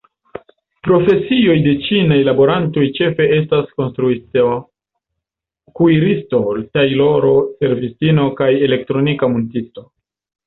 Profesioj de ĉinaj laborantoj ĉefe estas konstruisto, kuiristo, tajloro, servistino kaj elektronika muntisto.